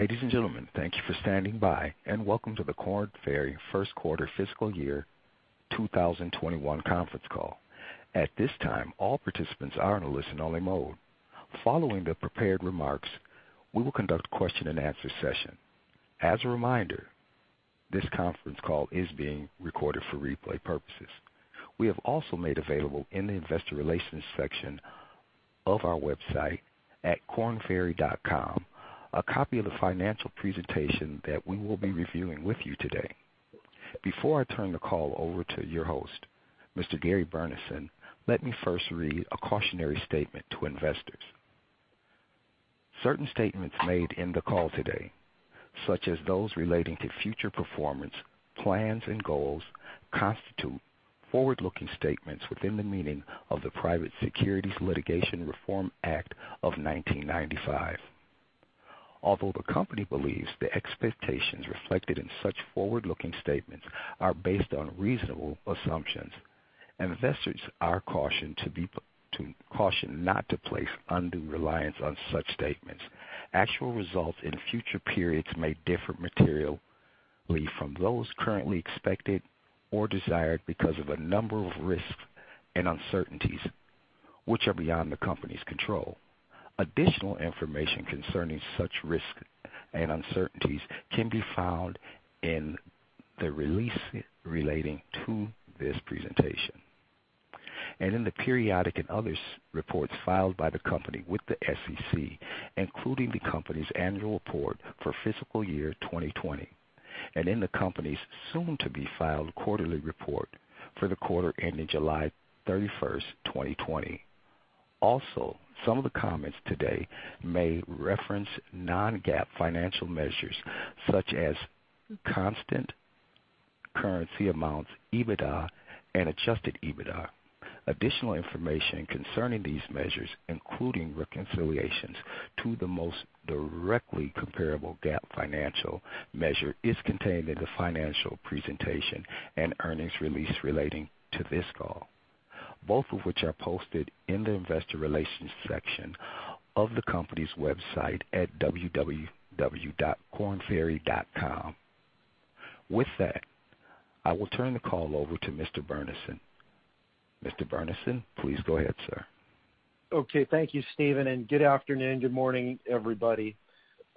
Ladies and gentlemen, thank you for standing by, and welcome to the Korn Ferry First Quarter Fiscal Year 2021 Conference Call. At this time, all participants are in a listen-only mode. Following the prepared remarks, we will conduct a question-and-answer session. As a reminder, this conference call is being recorded for replay purposes. We have also made available in the investor relations section of our website at kornferry.com, a copy of the financial presentation that we will be reviewing with you today. Before I turn the call over to your host, Mr. Gary Burnison, let me first read a cautionary statement to investors. Certain statements made in the call today, such as those relating to future performance, plans and goals, constitute forward-looking statements within the meaning of the Private Securities Litigation Reform Act of 1995. Although the company believes the expectations reflected in such forward-looking statements are based on reasonable assumptions, investors are cautioned not to place undue reliance on such statements. Actual results in future periods may differ materially from those currently expected or desired because of a number of risks and uncertainties which are beyond the company's control. Additional information concerning such risks and uncertainties can be found in the release relating to this presentation, and in the periodic and other reports filed by the company with the SEC, including the company's annual report for fiscal year 2020, and in the company's soon-to-be-filed quarterly report for the quarter ending July 31st, 2020. Some of the comments today may reference non-GAAP financial measures such as constant currency amounts, EBITDA, and adjusted EBITDA. Additional information concerning these measures, including reconciliations to the most directly comparable GAAP financial measure, is contained in the financial presentation and earnings release relating to this call, both of which are posted in the investor relations section of the company's website at www.kornferry.com. With that, I will turn the call over to Mr. Burnison. Mr. Burnison, please go ahead, sir. Okay. Thank you, Steven. Good afternoon, good morning, everybody.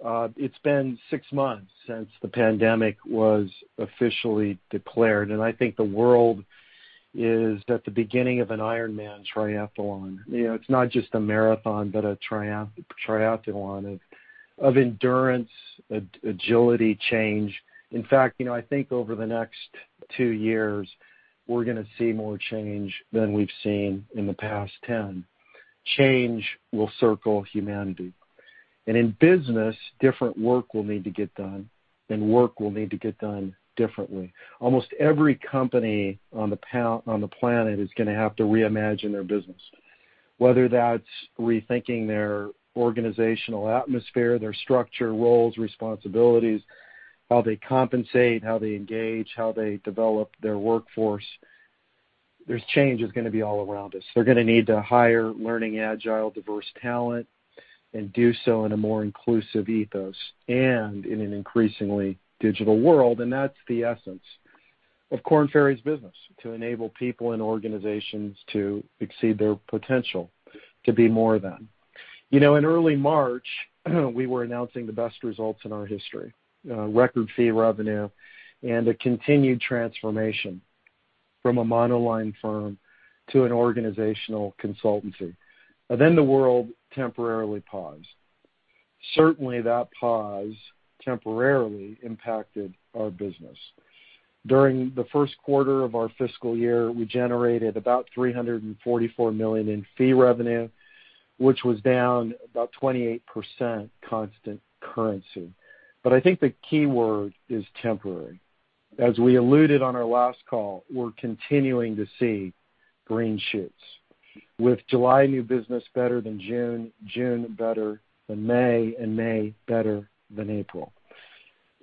It's been six months since the pandemic was officially declared. I think the world is at the beginning of an Ironman triathlon. It's not just a marathon, a triathlon of endurance, agility, change. In fact, I think over the next two years, we're going to see more change than we've seen in the past 10. Change will circle humanity. In business, different work will need to get done, and work will need to get done differently. Almost every company on the planet is going to have to reimagine their business, whether that's rethinking their organizational atmosphere, their structure, roles, responsibilities, how they compensate, how they engage, how they develop their workforce. There's change is going to be all around us. They're going to need to hire learning agile, diverse talent and do so in a more inclusive ethos and in an increasingly digital world, and that's the essence of Korn Ferry's business: to enable people and organizations to exceed their potential to be more than. In early March, we were announcing the best results in our history. Record fee revenue and a continued transformation from a monoline firm to an organizational consultancy. The world temporarily paused. Certainly, that pause temporarily impacted our business. During the first quarter of our fiscal year, we generated about $344 million in fee revenue, which was down about 28% constant currency. I think the key word is temporary. As we alluded on our last call, we're continuing to see green shoots with July new business better than June better than May, and May better than April.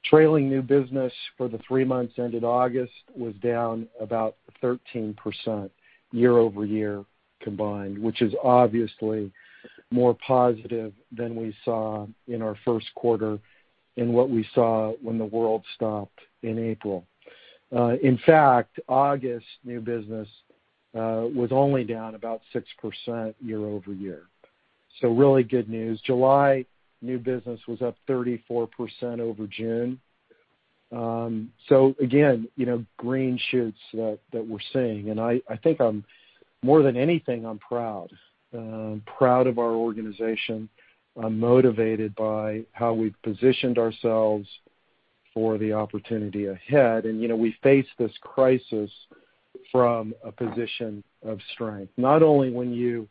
Trailing new business for the three months ended August was down about 13% year-over-year combined, which is obviously more positive than we saw in our first quarter in what we saw when the world stopped in April. In fact, August new business was only down about 6% year-over-year. Really good news. July new business was up 34% over June. Again, green shoots that we're seeing. I think more than anything, I'm proud. Proud of our organization. I'm motivated by how we've positioned ourselves for the opportunity ahead. We face this crisis from a position of strength, not only when you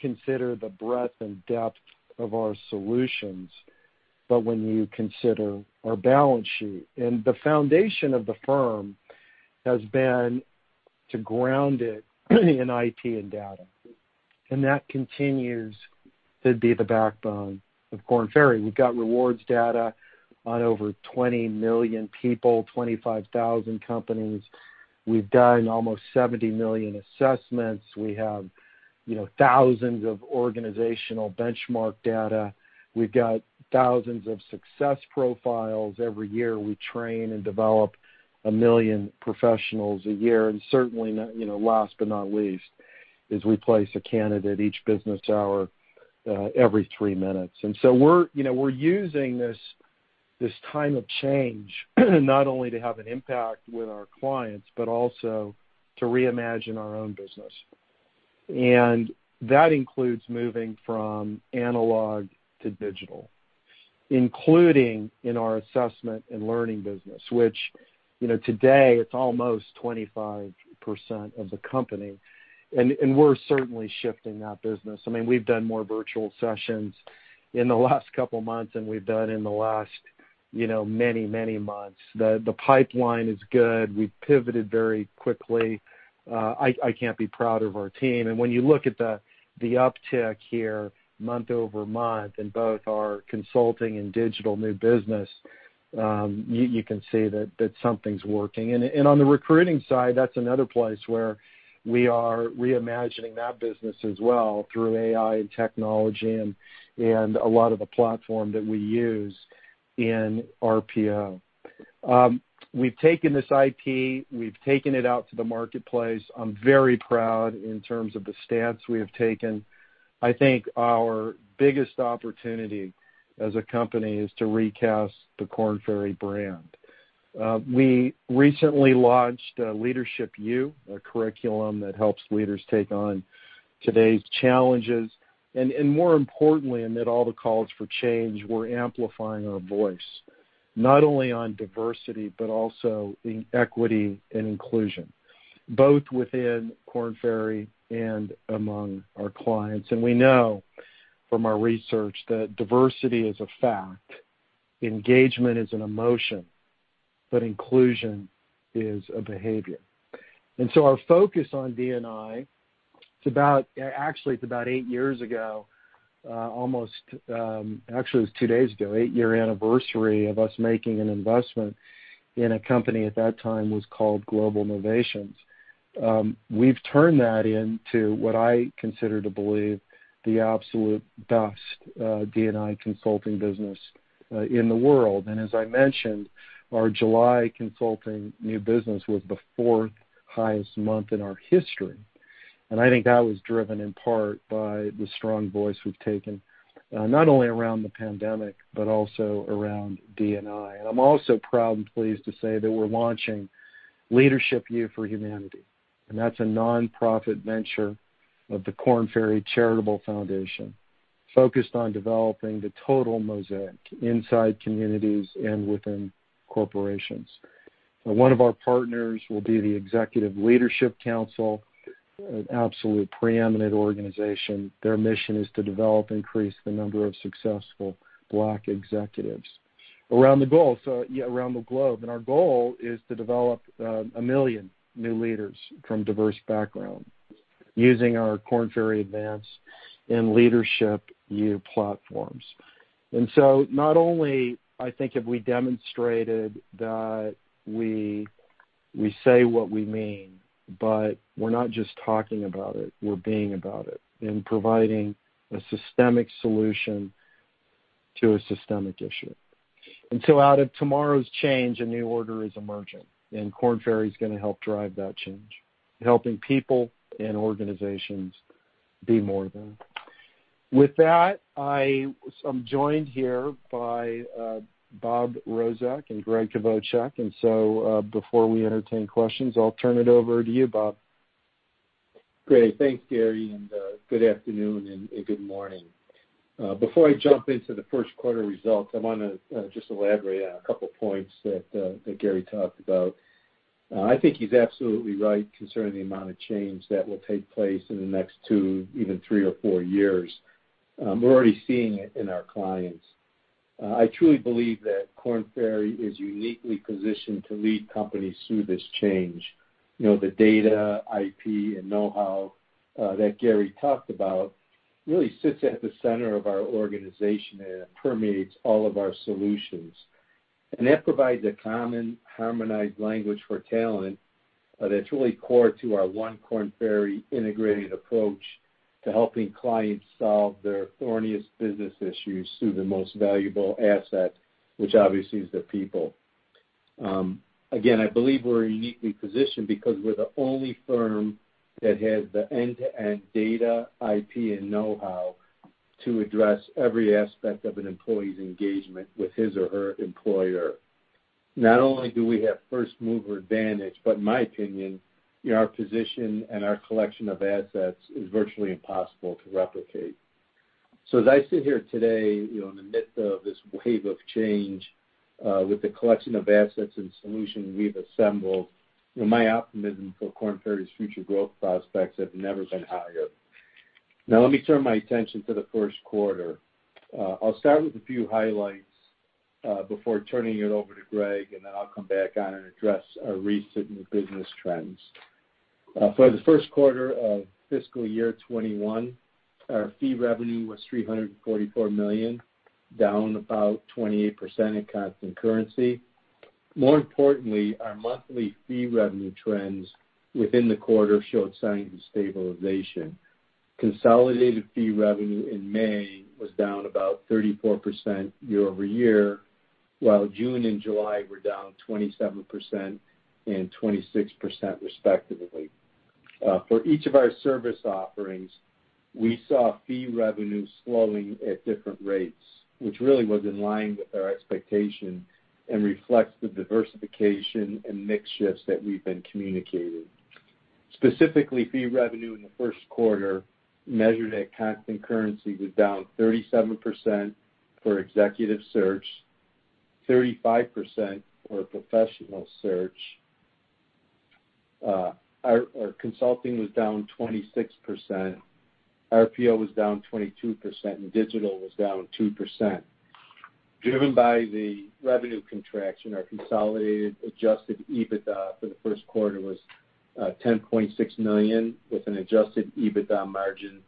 consider the breadth and depth of our solutions, but when you consider our balance sheet. The foundation of the firm has been to ground it in IT and data. That continues to be the backbone of Korn Ferry. We've got rewards data on over 20 million people, 25,000 companies. We've done almost 70 million assessments. We have thousands of organizational benchmark data. We've got thousands of success profiles. Every year, we train and develop 1 million professionals a year. Certainly, last but not least, is we place a candidate each business hour, every 3 minutes. We're using this time of change not only to have an impact with our clients, but also to reimagine our own business. That includes moving from analog to digital, including in our assessment and learning business, which today it's almost 25% of the company, and we're certainly shifting that business. We've done more virtual sessions in the last couple of months than we've done in the last many months. The pipeline is good. We've pivoted very quickly. I can't be prouder of our team. When you look at the uptick here month-over-month in both our consulting and digital new business, you can see that something's working. On the recruiting side, that's another place where we are reimagining that business as well through AI and technology and a lot of the platform that we use in RPO. We've taken this IP, we've taken it out to the marketplace. I'm very proud in terms of the stance we have taken. I think our biggest opportunity as a company is to recast the Korn Ferry brand. We recently launched Leadership U, a curriculum that helps leaders take on today's challenges. More importantly, amid all the calls for change, we're amplifying our voice, not only on diversity, but also in equity and inclusion, both within Korn Ferry and among our clients. We know from our research that diversity is a fact, engagement is an emotion, but inclusion is a behavior. Our focus on D&I, actually it's about eight years ago, almost. Actually, it was two days ago, eight-year anniversary of us making an investment in a company at that time was called Global Novations. We've turned that into what I consider to believe the absolute best D&I consulting business in the world. As I mentioned, our July consulting new business was the fourth highest month in our history. I think that was driven in part by the strong voice we've taken, not only around the pandemic, but also around D&I. I'm also proud and pleased to say that we're launching Leadership U for Humanity, and that's a non-profit venture of the Korn Ferry Charitable Foundation focused on developing the total mosaic inside communities and within corporations. One of our partners will be The Executive Leadership Council, an absolute preeminent organization. Their mission is to develop, increase the number of successful Black executives around the globe. Our goal is to develop a million new leaders from diverse backgrounds using our Korn Ferry Advance and Leadership U platforms. Not only I think have we demonstrated that we say what we mean, but we're not just talking about it, we're being about it and providing a systemic solution to a systemic issue. Out of tomorrow's change, a new order is emerging, and Korn Ferry is going to help drive that change, helping people and organizations be more than. With that, I'm joined here by Bob Rozek and Gregg Kvochak. Before we entertain questions, I'll turn it over to you, Bob. Great. Thanks, Gary, and good afternoon and good morning. Before I jump into the first quarter results, I want to just elaborate on a couple of points that Gary talked about. I think he's absolutely right concerning the amount of change that will take place in the next two, even three or four years. We're already seeing it in our clients. I truly believe that Korn Ferry is uniquely positioned to lead companies through this change. The data, IP, and know-how that Gary talked about really sits at the center of our organization and permeates all of our solutions. That provides a common harmonized language for talent that's really core to our One Korn Ferry integrated approach to helping clients solve their thorniest business issues through the most valuable asset, which obviously is the people. Again, I believe we're uniquely positioned because we're the only firm that has the end-to-end data, IP, and know-how to address every aspect of an employee's engagement with his or her employer. Not only do we have first-mover advantage, but in my opinion, our position and our collection of assets is virtually impossible to replicate. As I sit here today in the midst of this wave of change with the collection of assets and solutions we've assembled, my optimism for Korn Ferry's future growth prospects have never been higher. Now let me turn my attention to the first quarter. I'll start with a few highlights before turning it over to Gregg, and then I'll come back on and address our recent new business trends. For the first quarter of fiscal year 2021, our fee revenue was $344 million, down about 28% at constant currency. More importantly, our monthly fee revenue trends within the quarter showed signs of stabilization. Consolidated fee revenue in May was down about 34% year-over-year, while June and July were down 27% and 26% respectively. For each of our service offerings, we saw fee revenue slowing at different rates, which really was in line with our expectation and reflects the diversification and mix shifts that we've been communicating. Specifically, fee revenue in the first quarter, measured at constant currency, was down 37% for executive search, 35% for professional search. Our consulting was down 26%, RPO was down 22%, and Digital was down 2%. Driven by the revenue contraction, our consolidated adjusted EBITDA for the first quarter was $10.6 million, with an adjusted EBITDA margin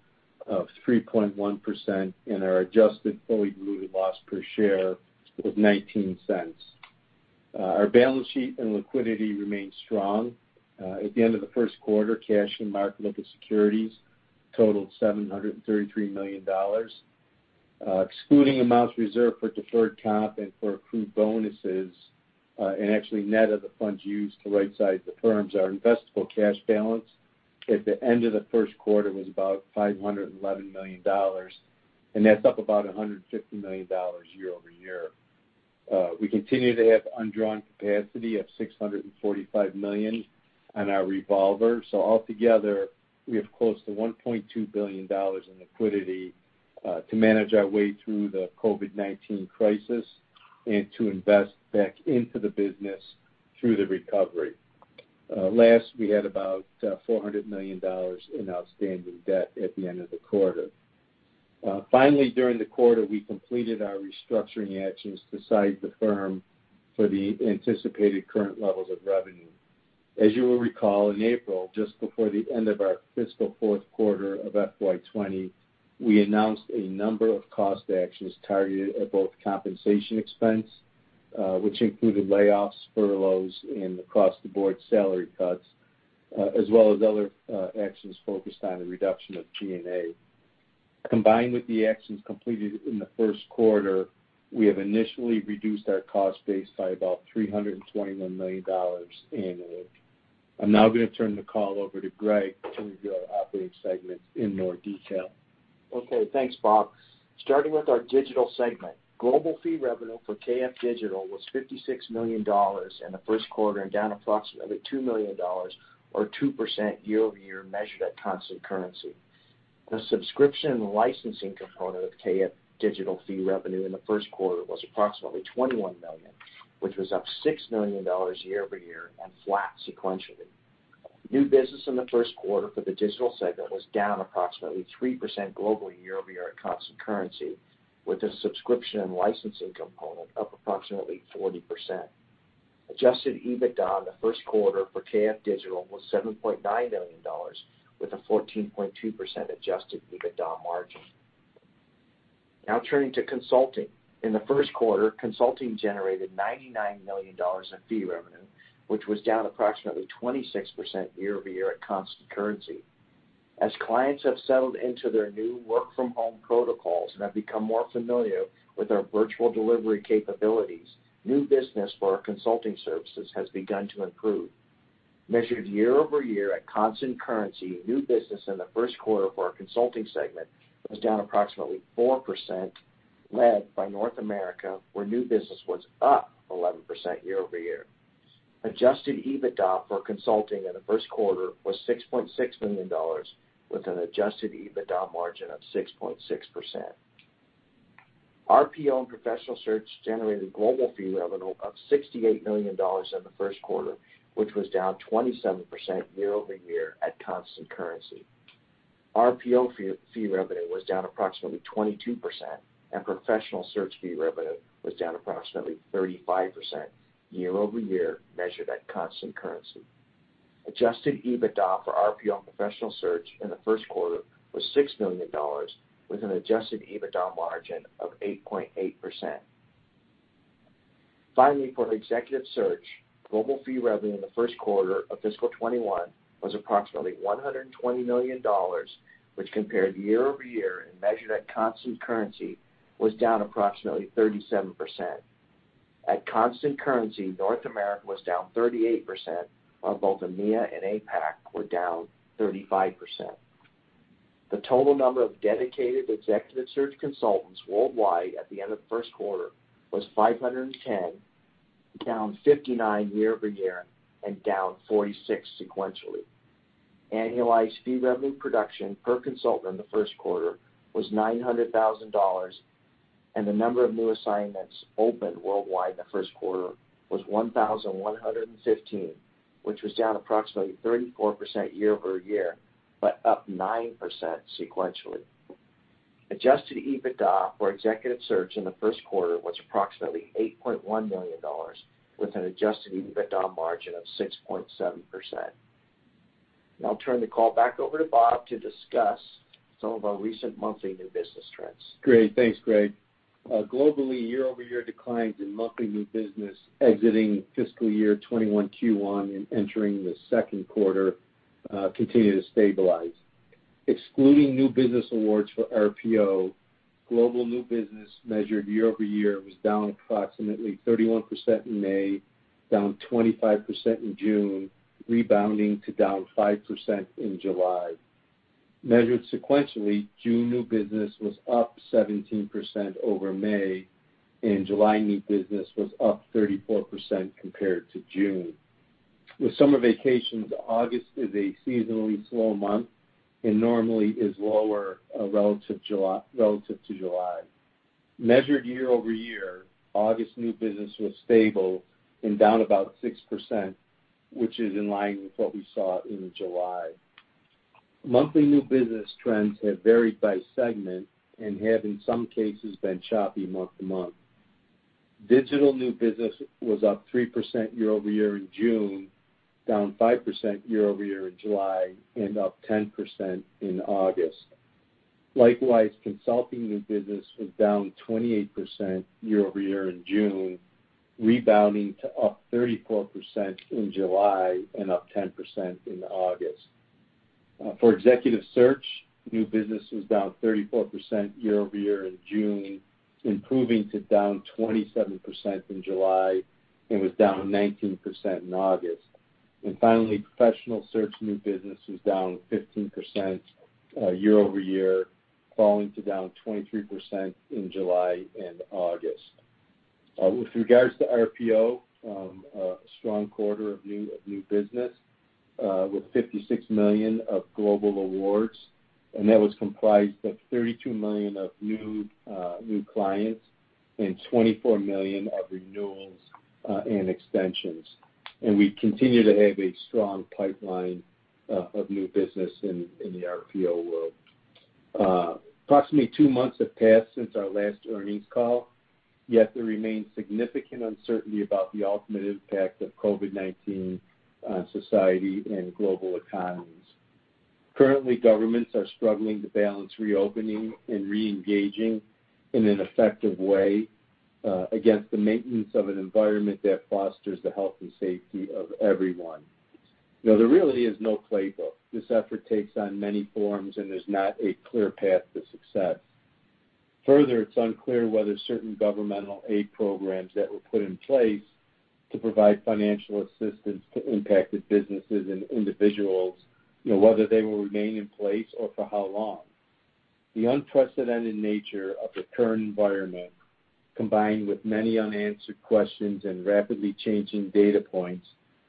of 3.1%, and our adjusted fully diluted loss per share was $0.19. Our balance sheet and liquidity remain strong. At the end of the first quarter, cash and market-level securities totaled $733 million. Excluding amounts reserved for deferred comp and for accrued bonuses, and actually net of the funds used to rightsize the firms, our investable cash balance at the end of the first quarter was about $511 million, and that's up about $150 million year-over-year. We continue to have undrawn capacity of $645 million on our revolver. Altogether, we have close to $1.2 billion in liquidity to manage our way through the COVID-19 crisis and to invest back into the business through the recovery. Last, we had about $400 million in outstanding debt at the end of the quarter. Finally, during the quarter, we completed our restructuring actions to size the firm for the anticipated current levels of revenue. As you will recall, in April, just before the end of our fiscal fourth quarter of FY 2020, we announced a number of cost actions targeted at both compensation expense, which included layoffs, furloughs, and across-the-board salary cuts, as well as other actions focused on the reduction of G&A. Combined with the actions completed in the first quarter, we have initially reduced our cost base by about $321 million annually. I'm now going to turn the call over to Gregg to review our operating segments in more detail. Okay. Thanks, Bob. Starting with our digital segment, global fee revenue for KF Digital was $56 million in the first quarter and down approximately $2 million or 2% year-over-year, measured at constant currency. The subscription and licensing component of KF Digital fee revenue in the first quarter was approximately $21 million, which was up $6 million year-over-year and flat sequentially. New business in the first quarter for the digital segment was down approximately 3% globally year-over-year at constant currency, with the subscription and licensing component up approximately 40%. Adjusted EBITDA in the first quarter for KF Digital was $7.9 million, with a 14.2% adjusted EBITDA margin. Turning to consulting. In the first quarter, consulting generated $99 million in fee revenue, which was down approximately 26% year-over-year at constant currency. As clients have settled into their new work-from-home protocols and have become more familiar with our virtual delivery capabilities, new business for our consulting services has begun to improve. Measured year-over-year at constant currency, new business in the first quarter for our consulting segment was down approximately 4%, led by North America, where new business was up 11% year-over-year. Adjusted EBITDA for consulting in the first quarter was $6.6 million, with an adjusted EBITDA margin of 6.6%. RPO and professional search generated global fee revenue of $68 million in the first quarter, which was down 27% year-over-year at constant currency. RPO fee revenue was down approximately 22%, and professional search fee revenue was down approximately 35% year-over-year, measured at constant currency. Adjusted EBITDA for RPO and professional search in the first quarter was $6 million, with an adjusted EBITDA margin of 8.8%. Finally, for the executive search, global fee revenue in the first quarter of fiscal 2021 was approximately $120 million, which compared year-over-year and measured at constant currency, was down approximately 37%. At constant currency, North America was down 38%, while both EMEA and APAC were down 35%. The total number of dedicated executive search consultants worldwide at the end of the first quarter was 510, down 59 year-over-year and down 46 sequentially. Annualized fee revenue production per consultant in the first quarter was $900,000, and the number of new assignments opened worldwide in the first quarter was 1,115, which was down approximately 34% year-over-year, but up 9% sequentially. Adjusted EBITDA for executive search in the first quarter was approximately $8.1 million, with an adjusted EBITDA margin of 6.7%. Now I'll turn the call back over to Bob Rozek to discuss some of our recent monthly new business trends. Great. Thanks, Gregg. Globally, year-over-year declines in monthly new business exiting fiscal year 2021 Q1 and entering the second quarter continue to stabilize. Excluding new business awards for RPO, global new business measured year-over-year was down approximately 31% in May, down 25% in June, rebounding to down 5% in July. Measured sequentially, June new business was up 17% over May, and July new business was up 34% compared to June. With summer vacations, August is a seasonally slow month and normally is lower relative to July. Measured year-over-year, August new business was stable and down about 6%, which is in line with what we saw in July. Monthly new business trends have varied by segment and have, in some cases, been choppy month-to-month. Digital new business was up 3% year over year in June, down 5% year over year in July, and up 10% in August. Likewise, consulting new business was down 28% year over year in June, rebounding to up 34% in July, and up 10% in August. For executive search, new business was down 34% year over year in June, improving to down 27% in July, and was down 19% in August. Finally, professional search new business was down 15% year over year, falling to down 23% in July and August. With regards to RPO, a strong quarter of new business with $56 million of global awards, and that was comprised of $32 million of new clients and $24 million of renewals and extensions. We continue to have a strong pipeline of new business in the RPO world. Approximately two months have passed since our last earnings call, yet there remains significant uncertainty about the ultimate impact of COVID-19 on society and global economies. Currently, governments are struggling to balance reopening and re-engaging in an effective way against the maintenance of an environment that fosters the health and safety of everyone. There really is no playbook. This effort takes on many forms, and there's not a clear path to success. Further, it's unclear whether certain governmental aid programs that were put in place to provide financial assistance to impacted businesses and individuals, whether they will remain in place or for how long. The unprecedented nature of the current environment, combined with many unanswered questions and rapidly changing data points,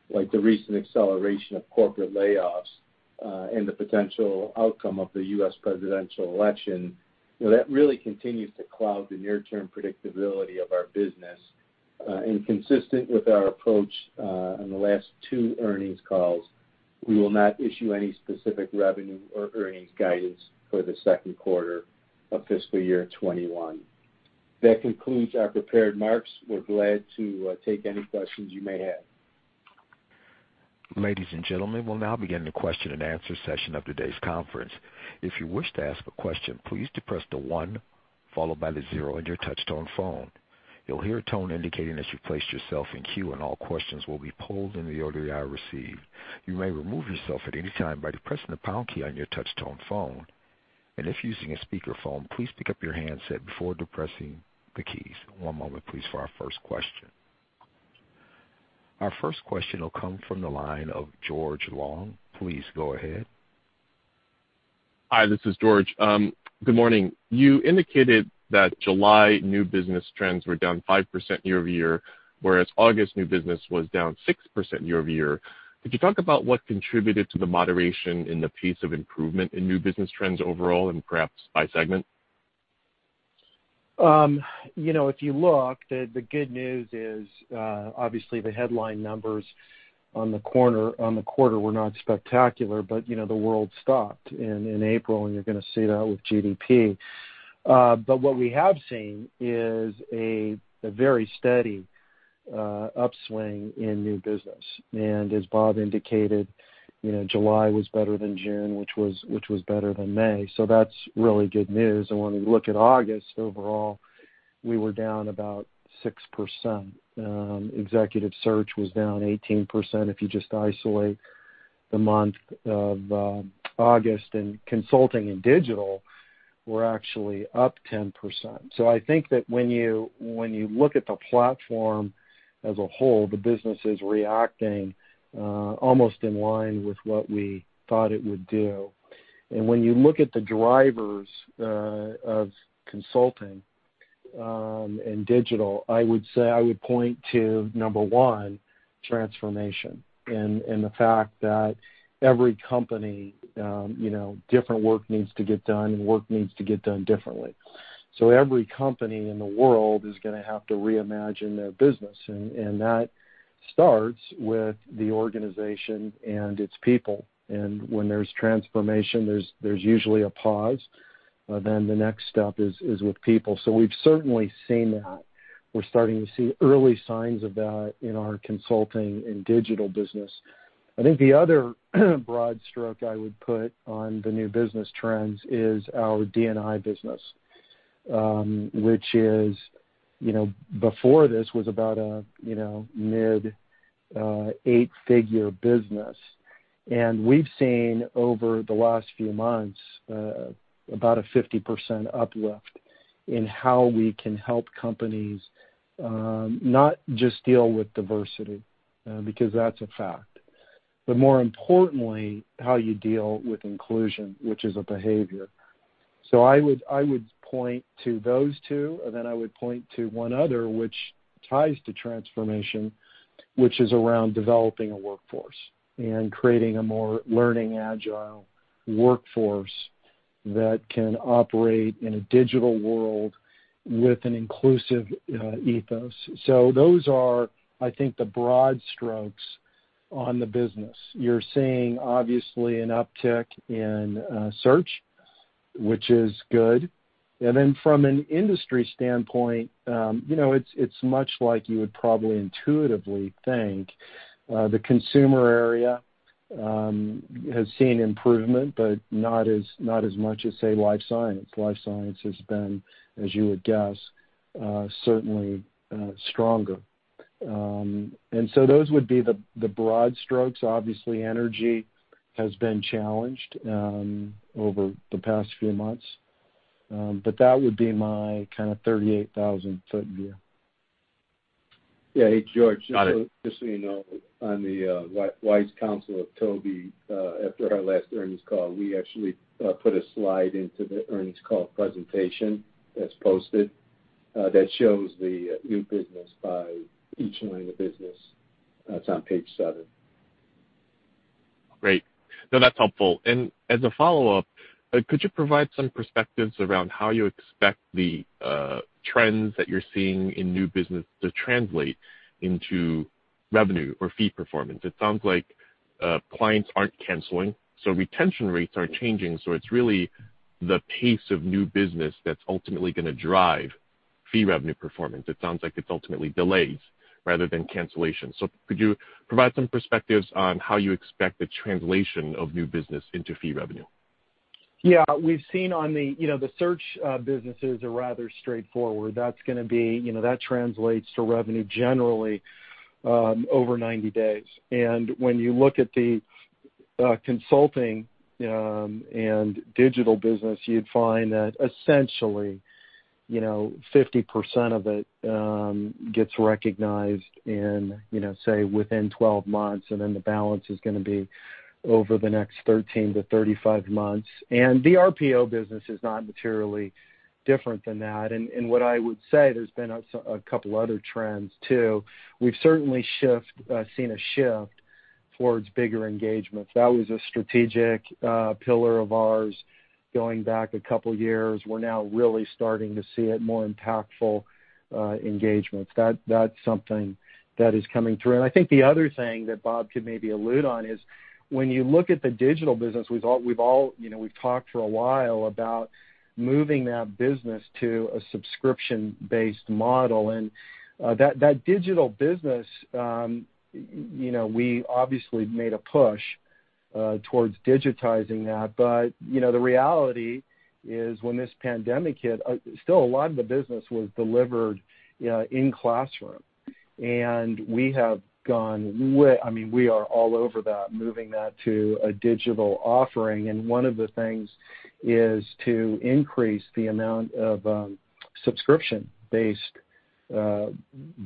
like the recent acceleration of corporate layoffs and the potential outcome of the U.S. presidential election, that really continues to cloud the near-term predictability of our business. Consistent with our approach on the last two earnings calls, we will not issue any specific revenue or earnings guidance for the second quarter of fiscal year 2021. That concludes our prepared remarks. We're glad to take any questions you may have. Ladies and gentlemen, we'll now begin the question and answer session of today's conference. One moment, please, for our first question. Our first question will come from the line of George Tong. Please go ahead. Hi, this is George. Good morning. You indicated that July new business trends were down 5% year-over-year, whereas August new business was down 6% year-over-year. Could you talk about what contributed to the moderation in the pace of improvement in new business trends overall and perhaps by segment? If you look, the good news is, obviously, the headline numbers on the quarter were not spectacular, but the world stopped in April, and you're going to see that with GDP. What we have seen is a very steady upswing in new business. As Bob indicated, July was better than June, which was better than May. That's really good news. When we look at August overall, we were down about 6%. Executive search was down 18%, if you just isolate the month of August, and consulting and Digital were actually up 10%. I think that when you look at the platform as a whole, the business is reacting almost in line with what we thought it would do. When you look at the drivers of consulting and digital, I would point to, number one, transformation and the fact that every company, different work needs to get done, and work needs to get done differently. Every company in the world is going to have to reimagine their business, and that starts with the organization and its people. When there's transformation, there's usually a pause. The next step is with people. We've certainly seen that. We're starting to see early signs of that in our consulting and digital business. I think the other broad stroke I would put on the new business trends is our D&I business, which before this was about a mid-eight-figure business. We've seen over the last few months about a 50% uplift in how we can help companies not just deal with diversity, because that's a fact, but more importantly, how you deal with inclusion, which is a behavior. I would point to those two, and then I would point to one other, which ties to transformation, which is around developing a workforce and creating a more learning, agile workforce that can operate in a digital world with an inclusive ethos. Those are the broad strokes on the business. You're seeing, obviously, an uptick in search, which is good. From an industry standpoint, it's much like you would probably intuitively think. The consumer area has seen improvement, but not as much as, say, life science. Life science has been, as you would guess, certainly stronger. Those would be the broad strokes. Obviously, energy has been challenged over the past few months. That would be my kind of 38,000-foot view. Yeah. Hey, George. Got it. Just so you know, on the wise counsel of Tobey after our last earnings call, we actually put a slide into the earnings call presentation that's posted that shows the new business by each line of business. That's on page seven. Great. No, that's helpful. As a follow-up, could you provide some perspectives around how you expect the trends that you're seeing in new business to translate into revenue or fee performance? It sounds like clients aren't canceling, so retention rates are changing, so it's really the pace of new business that's ultimately going to drive fee revenue performance. It sounds like it's ultimately delays rather than cancellations. So could you provide some perspectives on how you expect the translation of new business into fee revenue? Yeah. We've seen on the search businesses are rather straightforward. That translates to revenue generally over 90 days. When you look at the consulting and Digital business, you'd find that essentially 50% of it gets recognized in, say, within 12 months, and then the balance is going to be over the next 13-35 months. The RPO business is not materially different than that. What I would say, there's been a couple other trends, too. We've certainly seen a shift towards bigger engagements. That was a strategic pillar of ours going back a couple years. We're now really starting to see more impactful engagements. That's something that is coming through. I think the other thing that Bob could maybe allude on is when you look at the Digital business, we've talked for a while about moving that business to a subscription-based model. That digital business, we obviously made a push towards digitizing that. The reality is when this pandemic hit, still a lot of the business was delivered in classroom. We are all over that, moving that to a digital offering. One of the things is to increase the amount of subscription-based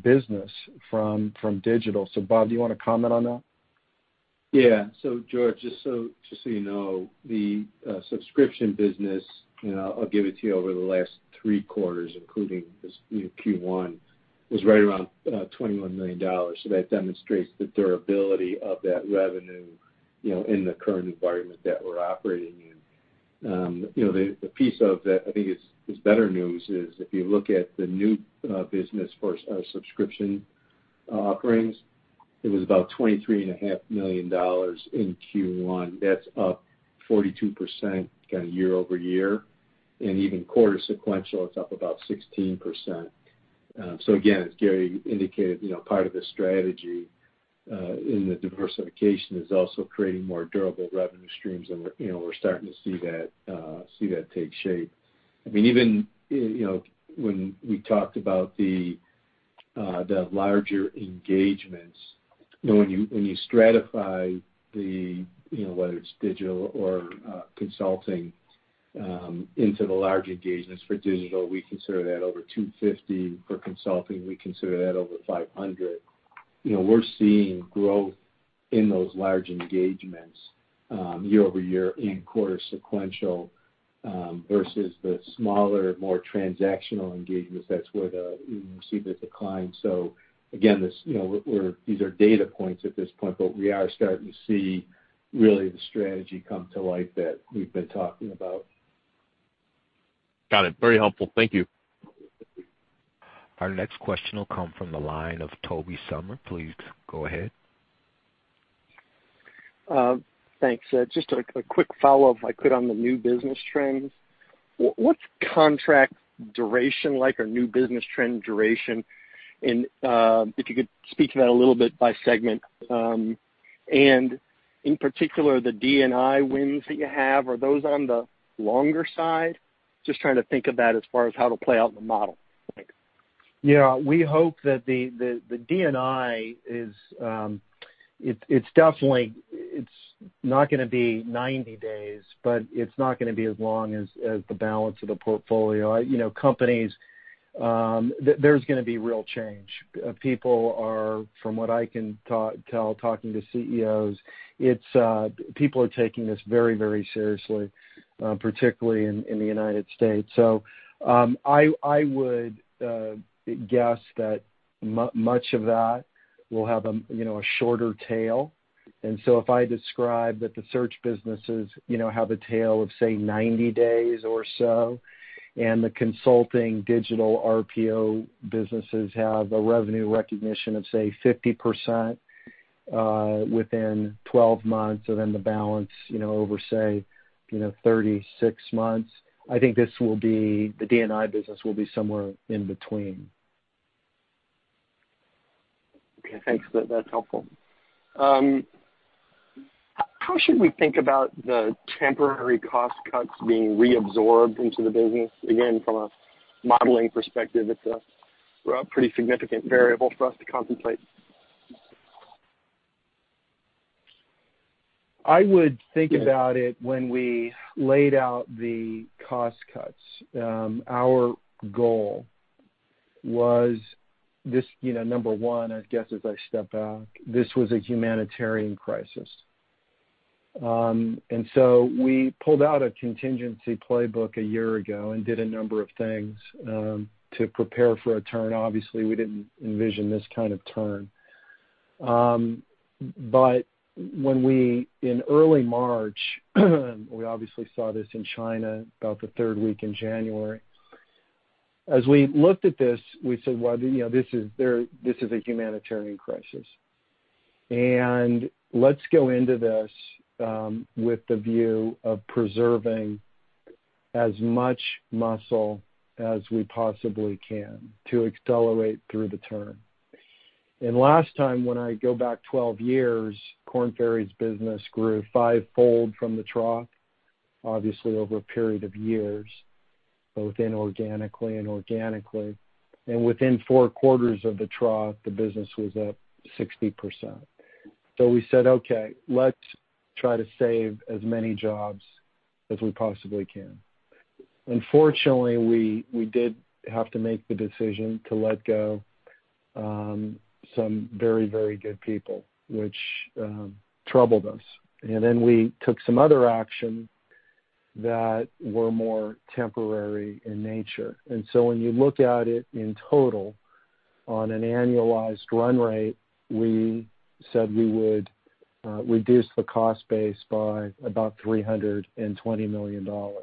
business from digital. Bob, do you want to comment on that? Yeah. George, just so you know, the subscription business, I'll give it to you over the last three quarters, including this new Q1, was right around $21 million. That demonstrates the durability of that revenue in the current environment that we're operating in. The piece of that I think is better news is if you look at the new business for subscription offerings, it was about $23.5 million in Q1. That's up 42% year-over-year, and even quarter-sequential, it's up about 16%. Again, as Gary indicated, part of the strategy in the diversification is also creating more durable revenue streams, and we're starting to see that take shape. Even when we talked about the larger engagements, when you stratify the, whether it's digital or consulting into the large engagements for digital, we consider that over 250. For consulting, we consider that over 500. We're seeing growth in those large engagements year-over-year and quarter-sequential versus the smaller, more transactional engagements. That's where we see the decline. Again, these are data points at this point, but we are starting to see really the strategy come to light that we've been talking about. Got it. Very helpful. Thank you. Our next question will come from the line of Tobey Sommer. Please go ahead. Thanks. Just a quick follow-up, if I could, on the new business trends. What's contract duration like, or new business trend duration? If you could speak to that a little bit by segment. In particular, the D&I wins that you have, are those on the longer side? Just trying to think of that as far as how to play out the model. Thanks. Yeah. We hope that the D&I, it's not going to be 90 days, but it's not going to be as long as the balance of the portfolio. There's going to be real change. People are, from what I can tell talking to CEOs, people are taking this very seriously, particularly in the United States. I would guess that much of that will have a shorter tail. If I describe that the search businesses have a tail of, say, 90 days or so, and the consulting digital RPO businesses have a revenue recognition of, say, 50% within 12 months, and then the balance over, say, 36 months. I think the D&I business will be somewhere in between. Okay, thanks. That's helpful. How should we think about the temporary cost cuts being reabsorbed into the business? From a modeling perspective, it's a pretty significant variable for us to contemplate. I would think about it when we laid out the cost cuts. Our goal was this, number one, I guess, as I step back, this was a humanitarian crisis. We pulled out a contingency playbook a year ago and did a number of things to prepare for a turn. Obviously, we didn't envision this kind of turn. When we, in early March, we obviously saw this in China about the third week in January. As we looked at this, we said, "Well, this is a humanitarian crisis. Let's go into this with the view of preserving as much muscle as we possibly can to accelerate through the turn." Last time, when I go back 12 years, Korn Ferry's business grew fivefold from the trough, obviously over a period of years, both inorganically and organically. Within four quarters of the trough, the business was up 60%. We said, "Okay. Let's try to save as many jobs as we possibly can." Unfortunately, we did have to make the decision to let go some very good people, which troubled us. We took some other action that were more temporary in nature. When you look at it in total on an annualized run rate, we said we would reduce the cost base by about $320 million.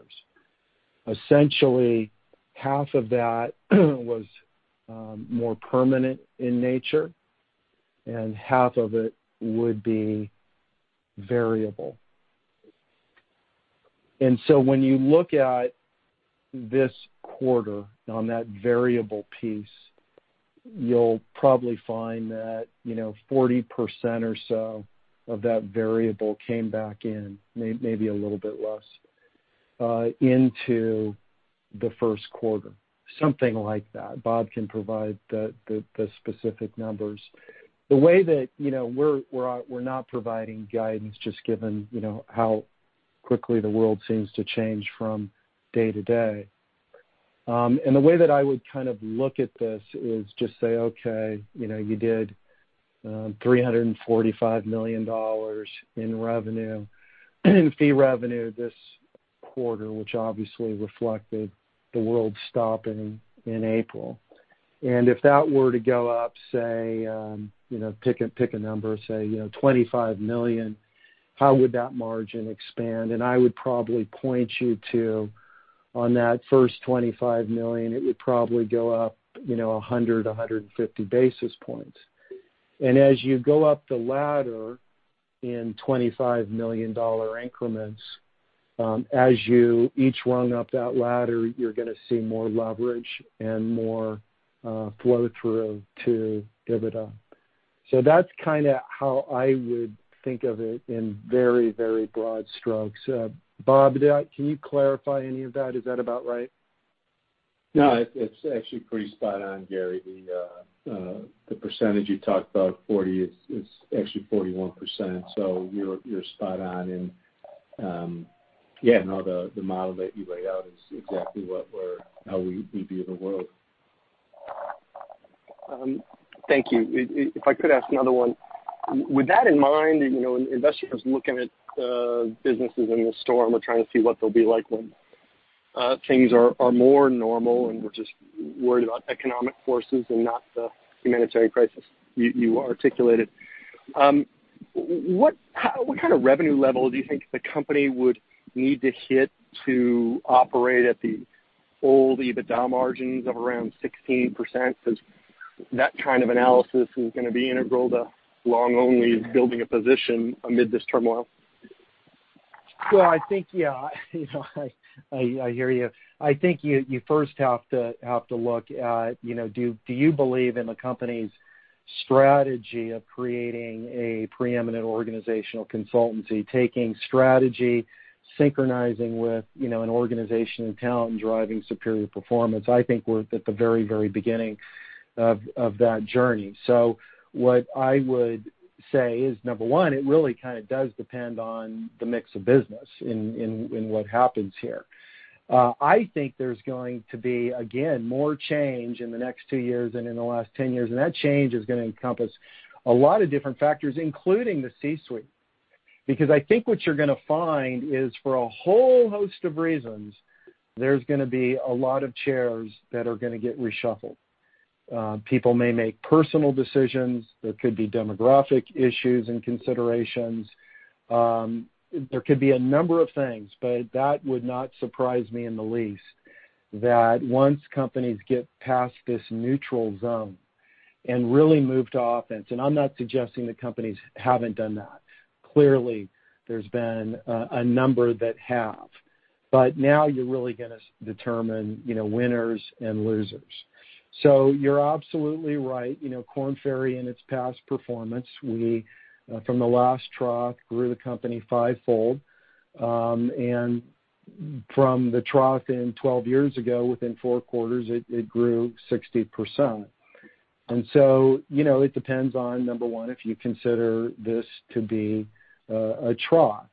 Essentially, half of that was more permanent in nature, and half of it would be variable. When you look at this quarter on that variable piece, you'll probably find that 40% or so of that variable came back in, maybe a little bit less, into the first quarter, something like that. Bob can provide the specific numbers. We're not providing guidance, just given how quickly the world seems to change from day to day. The way that I would kind of look at this is just say, okay, you did $345 million in fee revenue this quarter, which obviously reflected the world stopping in April. If that were to go up, say, pick a number, say, $25 million, how would that margin expand? I would probably point you to, on that first $25 million, it would probably go up 100 to 150 basis points. As you go up the ladder in $25 million increments, as you each rung up that ladder, you're going to see more leverage and more flow-through to EBITDA. That's kind of how I would think of it in very broad strokes. Bob, can you clarify any of that? Is that about right? No, it's actually pretty spot on, Gary. The percentage you talked about, 40%, is actually 41%. You're spot on. No, the model that you laid out is exactly how we view the world. Thank you. If I could ask another one. With that in mind, investors looking at businesses in this storm are trying to see what they'll be like when things are more normal, and we're just worried about economic forces and not the humanitarian crisis you articulated. What kind of revenue level do you think the company would need to hit to operate at the old EBITDA margins of around 16%? That kind of analysis is going to be integral to long-only building a position amid this turmoil. Well, I think, yeah. I hear you. I think you first have to look at, do you believe in the company's strategy of creating a preeminent organizational consultancy, taking strategy, synchronizing with an organization and talent, and driving superior performance? I think we're at the very beginning of that journey. What I would say is, number one, it really kind of does depend on the mix of business in what happens here. I think there's going to be, again, more change in the next two years than in the last 10 years, and that change is going to encompass a lot of different factors, including the C-suite. I think what you're going to find is for a whole host of reasons, there's going to be a lot of chairs that are going to get reshuffled. People may make personal decisions. There could be demographic issues and considerations. There could be a number of things, but that would not surprise me in the least, that once companies get past this neutral zone and really move to offense, and I'm not suggesting the companies haven't done that. Clearly, there's been a number that have, but now you're really going to determine winners and losers. You're absolutely right. Korn Ferry, in its past performance, we from the last trough, grew the company fivefold. From the trough in 12 years ago, within four quarters, it grew 60%. It depends on, number one, if you consider this to be a trough.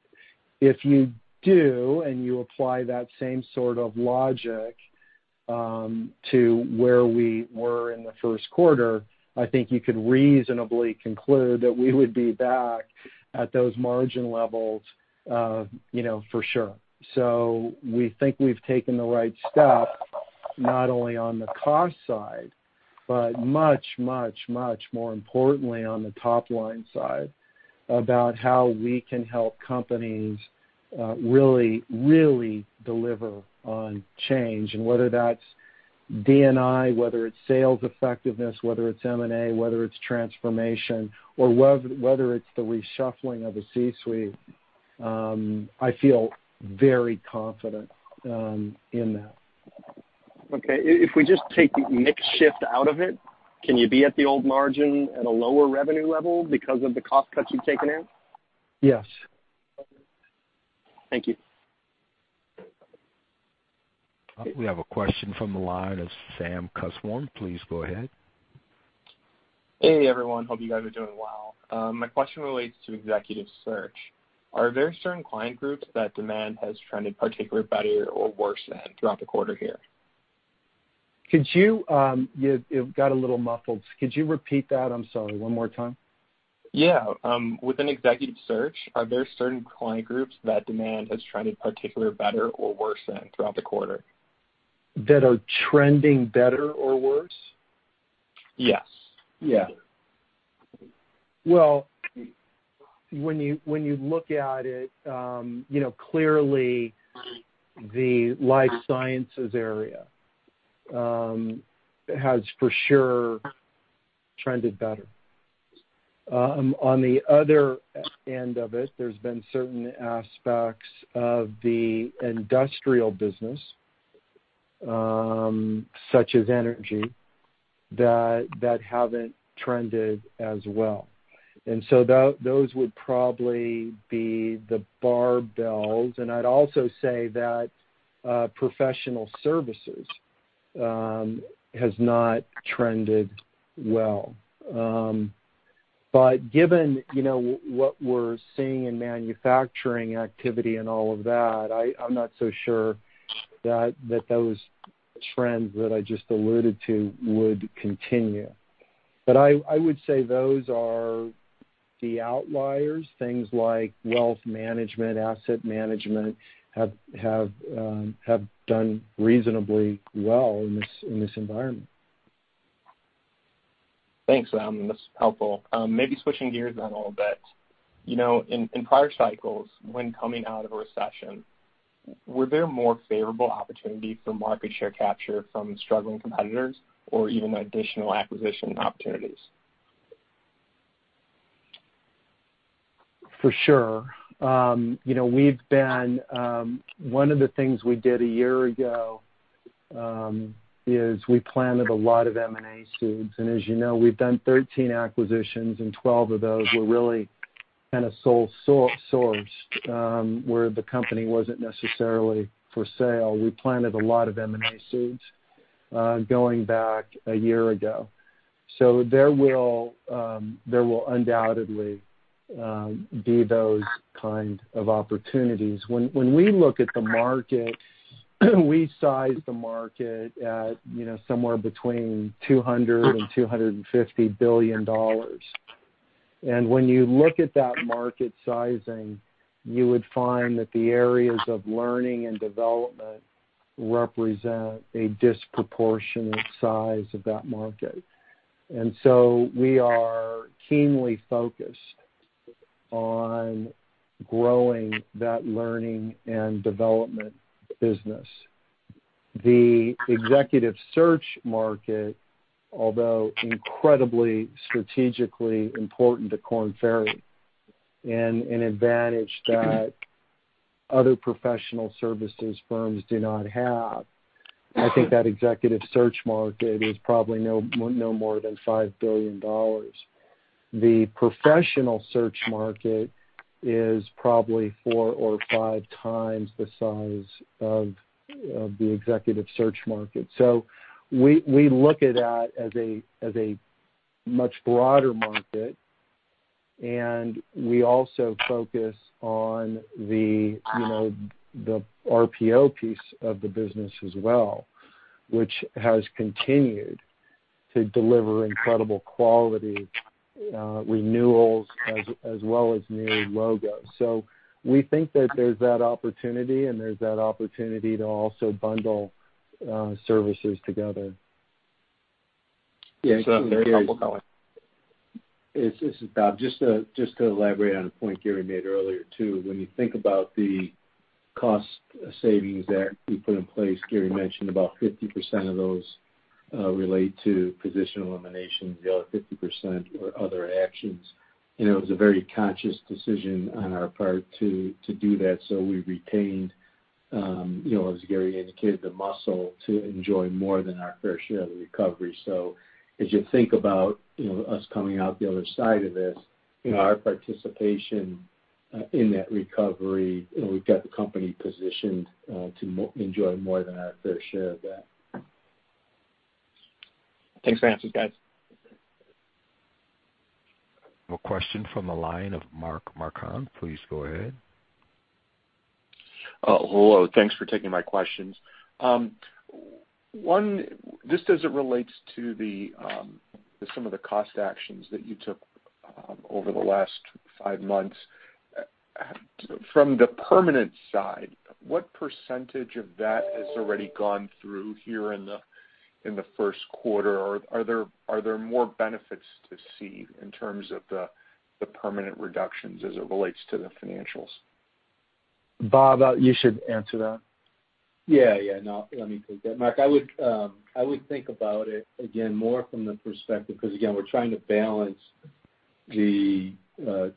If you do, and you apply that same sort of logic to where we were in the first quarter, I think you could reasonably conclude that we would be back at those margin levels for sure. We think we've taken the right step, not only on the cost side, but much more importantly on the top-line side, about how we can help companies really deliver on change. Whether that's D&I, whether it's sales effectiveness, whether it's M&A, whether it's transformation, or whether it's the reshuffling of a C-suite, I feel very confident in that. If we just take mix shift out of it, can you be at the old margin at a lower revenue level because of the cost cuts you've taken in? Yes. Thank you. We have a question from the line of Sam Kusswurm. Please go ahead. Hey, everyone. Hope you guys are doing well. My question relates to executive search. Are there certain client groups that demand has trended particularly better or worse than throughout the quarter here? It got a little muffled. Could you repeat that, I'm sorry, one more time? Yeah. Within executive search, are there certain client groups that demand has trended particularly better or worse than throughout the quarter? That are trending better or worse? Yes. Well, when you look at it, clearly the life sciences area has for sure trended better. On the other end of it, there's been certain aspects of the industrial business, such as energy, that haven't trended as well. Those would probably be the barbells, and I'd also say that professional services has not trended well. Given what we're seeing in manufacturing activity and all of that, I'm not so sure that those trends that I just alluded to would continue. I would say those are the outliers. Things like wealth management, asset management have done reasonably well in this environment. Thanks, that's helpful. Maybe switching gears then a little bit. In prior cycles, when coming out of a recession, were there more favorable opportunities for market share capture from struggling competitors or even additional acquisition opportunities? For sure. One of the things we did a year ago is we planted a lot of M&A seeds. As you know, we've done 13 acquisitions, and 12 of those were really kind of sole-sourced, where the company wasn't necessarily for sale. We planted a lot of M&A seeds going back a year ago. There will undoubtedly be those kind of opportunities. When we look at the market, we size the market at somewhere between $200 billion and $250 billion. When you look at that market sizing, you would find that the areas of learning and development represent a disproportionate size of that market. We are keenly focused on growing that learning and development business. The executive search market, although incredibly strategically important to Korn Ferry, and an advantage that other professional services firms do not have, I think that executive search market is probably no more than $5 billion. The professional search market is probably four or 5x the size of the executive search market. We look at that as a much broader market, and we also focus on the RPO piece of the business as well, which has continued to deliver incredible quality renewals as well as new logos. We think that there's that opportunity, and there's that opportunity to also bundle services together. That's very helpful, color. This is Bob. Just to elaborate on a point Gary made earlier, too. When you think about the cost savings that we put in place, Gary mentioned about 50% of those relate to position elimination, the other 50% are other actions. It was a very conscious decision on our part to do that, so we retained, as Gary indicated, the muscle to enjoy more than our fair share of the recovery. As you think about us coming out the other side of this, our participation in that recovery, we've got the company positioned to enjoy more than our fair share of that. Thanks for the answers, guys. We have a question from the line of Mark Marcon. Please go ahead. Hello. Thanks for taking my questions. One, just as it relates to some of the cost actions that you took over the last five months. From the permanent side, what percentage of that has already gone through here in the first quarter? Are there more benefits to see in terms of the permanent reductions as it relates to the financials? Bob, you should answer that. No, let me take that. Mark, I would think about it, again, more from the perspective Because, again, we're trying to balance the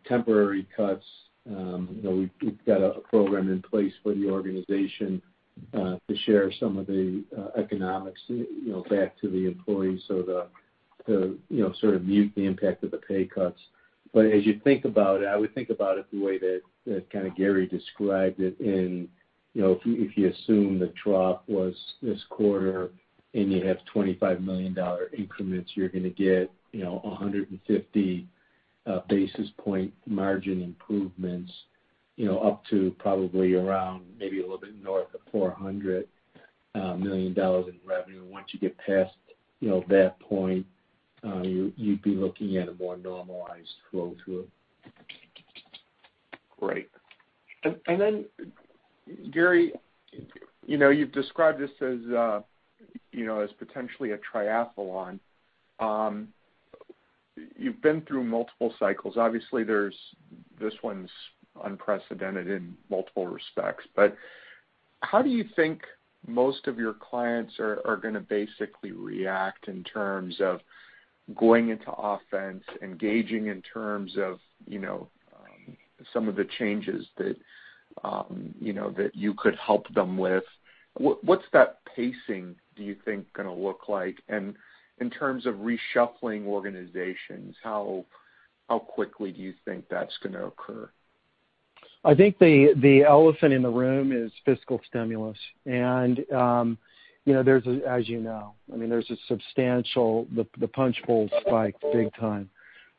temporary cuts. We've got a program in place for the organization to share some of the economics back to the employees, so to sort of mute the impact of the pay cuts. As you think about it, I would think about it the way that kind of Gary described it in, if you assume the trough was this quarter and you have $25 million increments, you're going to get 150 basis point margin improvements up to probably around maybe a little bit north of $400 million in revenue. Once you get past that point, you'd be looking at a more normalized flow through. Great. Then, Gary, you've described this as potentially a triathlon. You've been through multiple cycles. Obviously, this one's unprecedented in multiple respects. How do you think most of your clients are going to basically react in terms of going into offense, engaging in terms of some of the changes that you could help them with? What's that pacing, do you think, going to look like? In terms of reshuffling organizations, how quickly do you think that's going to occur? I think the elephant in the room is fiscal stimulus. As you know, the punch bowl spike big time.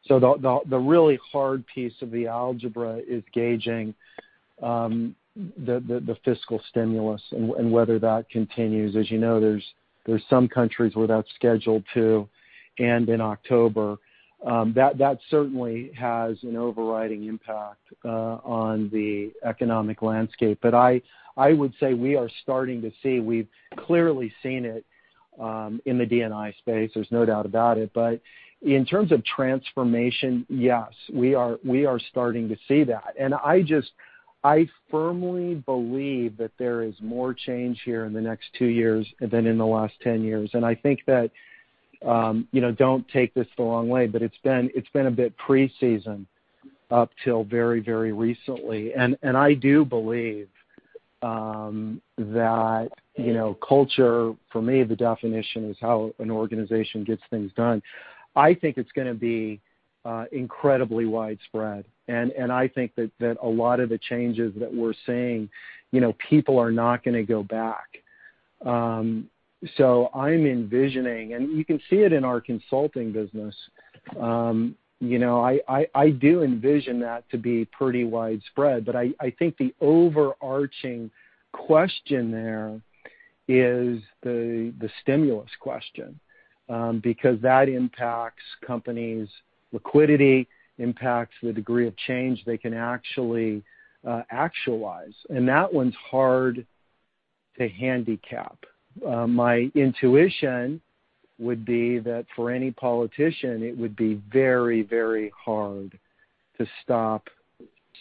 The really hard piece of the algebra is gauging the fiscal stimulus and whether that continues. As you know, there's some countries where that's scheduled to end in October. That certainly has an overriding impact on the economic landscape. I would say we are starting to see, we've clearly seen it in the D&I space, there's no doubt about it. In terms of transformation, yes, we are starting to see that. I firmly believe that there is more change here in the next two years than in the last 10 years. I think that, don't take this the wrong way, but it's been a bit preseason up till very recently. I do believe that culture, for me, the definition is how an organization gets things done. I think it's going to be incredibly widespread, and I think that a lot of the changes that we're seeing, people are not going to go back. I'm envisioning, and you can see it in our consulting business. I do envision that to be pretty widespread. I think the overarching question there is the stimulus question. Because that impacts companies' liquidity, impacts the degree of change they can actually actualize. That one's hard-to handicap. My intuition would be that for any politician, it would be very hard to stop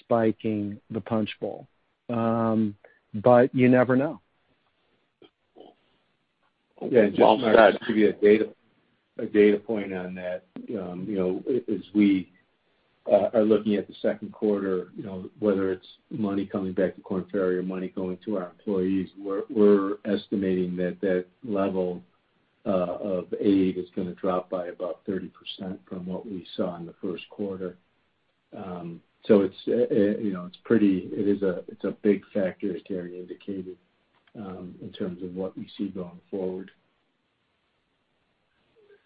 spiking the punch bowl. You never know. Well said. To give you a data point on that, as we are looking at the second quarter, whether it's money coming back to Korn Ferry or money going to our employees, we're estimating that that level of aid is going to drop by about 30% from what we saw in the first quarter. It's a big factor, as Gary indicated, in terms of what we see going forward.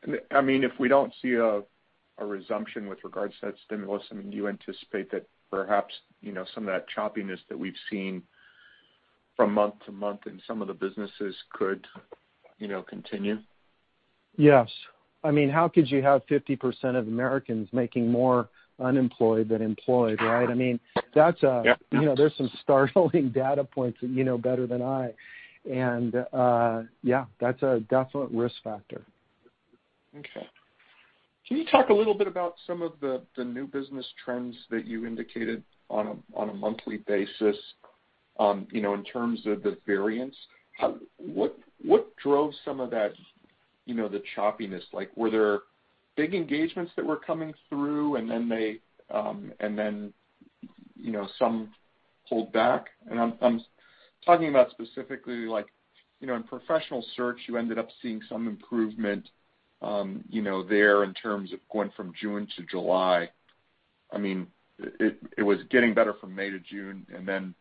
If we don't see a resumption with regards to that stimulus, do you anticipate that perhaps some of that choppiness that we've seen from month to month in some of the businesses could continue? Yes. How could you have 50% of Americans making more unemployed than employed, right? Yep. There's some startling data points that you know better than I. Yeah, that's a definite risk factor. Okay. Can you talk a little bit about some of the new business trends that you indicated on a monthly basis in terms of the variance? What drove some of the choppiness? Were there big engagements that were coming through and then some pulled back? I'm talking about specifically in Professional Search, you ended up seeing some improvement there in terms of going from June to July. It was getting better from May to June and then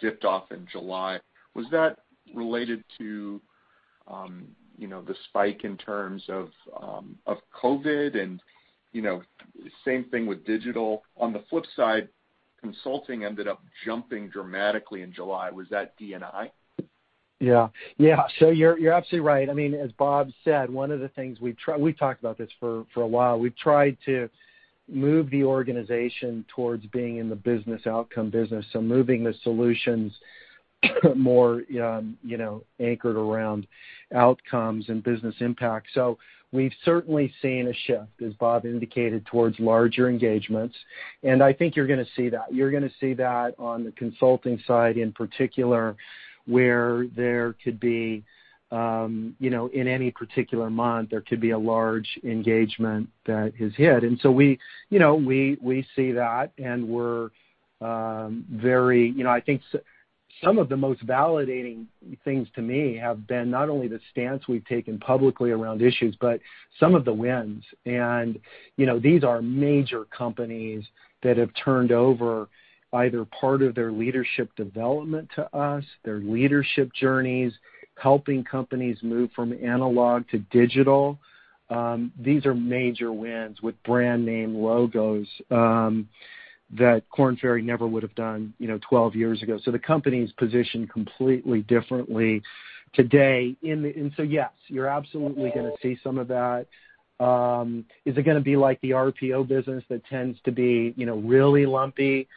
dipped off in July. Was that related to the spike in terms of COVID? Same thing with Digital. On the flip side, Consulting ended up jumping dramatically in July. Was that D&I? Yeah. You're absolutely right. As Bob said, we've talked about this for a while. We've tried to move the organization towards being in the business outcome business, moving the solutions more anchored around outcomes and business impact. We've certainly seen a shift, as Bob indicated, towards larger engagements, and I think you're going to see that. You're going to see that on the consulting side in particular, where there could be, in any particular month, there could be a large engagement that has hit. We see that, and I think some of the most validating things to me have been not only the stance we've taken publicly around issues, but some of the wins. These are major companies that have turned over either part of their leadership development to us, their leadership journeys, helping companies move from analog to digital. These are major wins with brand name logos that Korn Ferry never would have done 12 years ago. The company's positioned completely differently today. Yes, you're absolutely going to see some of that. Is it going to be like the RPO business that tends to be really lumpy?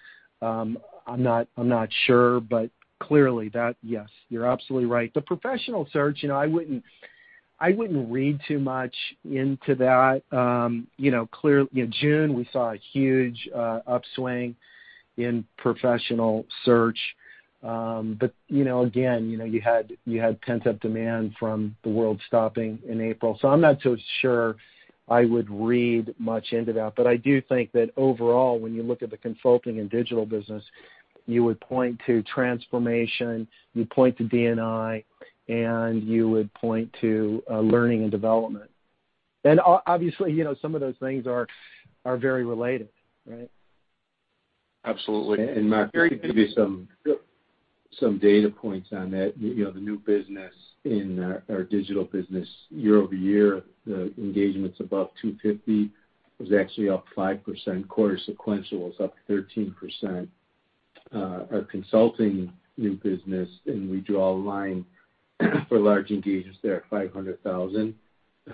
I'm not sure, but clearly, that, yes, you're absolutely right. The professional search, I wouldn't read too much into that. June we saw a huge upswing in professional search. Again, you had pent-up demand from the world stopping in April. I'm not so sure I would read much into that. I do think that overall, when you look at the consulting and digital business, you would point to transformation, you'd point to D&I, and you would point to learning and development. Obviously, some of those things are very related, right? Absolutely. Mark, to give you some data points on that. The new business in our digital business year-over-year, the engagements above 250 was actually up 5%. Quarter sequential was up 13%. Our consulting new business, and we draw a line for large engagements there at 500,000,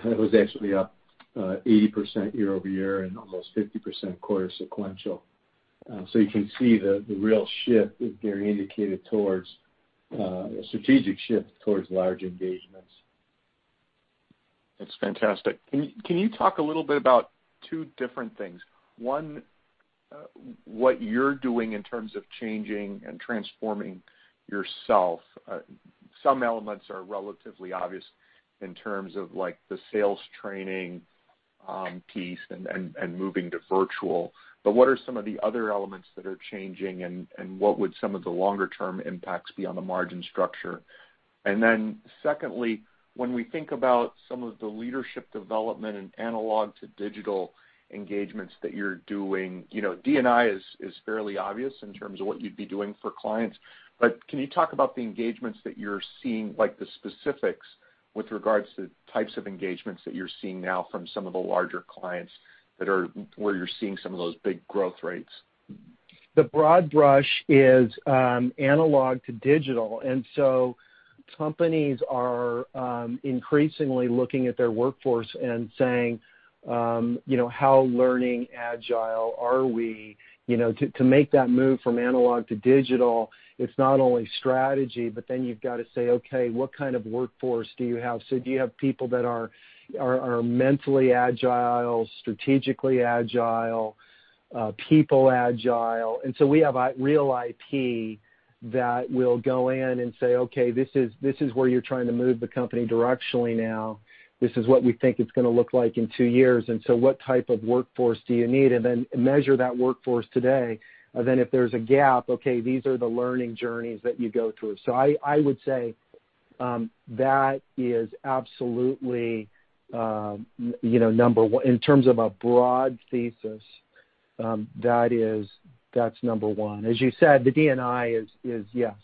was actually up 80% year-over-year and almost 50% quarter sequential. You can see the real shift that Gary indicated towards a strategic shift towards large engagements. That's fantastic. Can you talk a little bit about two different things? One, what you're doing in terms of changing and transforming yourself. Some elements are relatively obvious in terms of the sales training piece and moving to virtual. What are some of the other elements that are changing, and what would some of the longer-term impacts be on the margin structure? Secondly, when we think about some of the leadership development and analog to digital engagements that you're doing, D&I is fairly obvious in terms of what you'd be doing for clients, but can you talk about the engagements that you're seeing, like the specifics with regards to types of engagements that you're seeing now from some of the larger clients where you're seeing some of those big growth rates? The broad brush is analog to digital. Companies are increasingly looking at their workforce and saying, "How learning agile are we?" To make that move from analog to digital, it's not only strategy, but then you've got to say, okay, what kind of workforce do you have? Do you have people that are mentally agile, strategically agile, people agile? We have real IP that will go in and say, "Okay, this is where you're trying to move the company directionally now. This is what we think it's going to look like in two years. What type of workforce do you need?" Measure that workforce today. If there's a gap, okay, these are the learning journeys that you go through. I would say that is absolutely number one. In terms of a broad thesis, that's number one. As you said, the D&I is, yes,